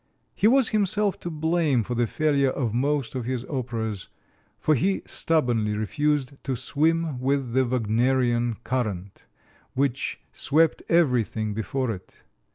He was himself to blame for the failure of most of his operas, for he stubbornly refused to swim with the Wagnerian current, which swept everything before it.